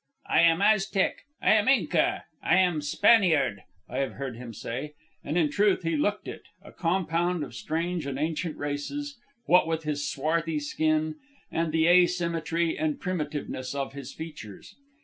"I am Aztec, I am Inca, I am Spaniard," I have heard him say. And in truth he looked it, a compound of strange and ancient races, what with his swarthy skin and the asymmetry and primitiveness of his features.